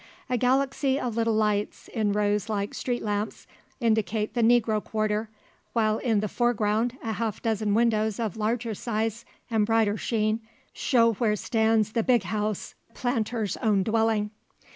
A galaxy of little lights, in rows like street lamps, indicate the "negro quarter;" while in the foreground a half dozen windows of larger size, and brighter sheen, show where stands the "big house" the planter's own dwelling.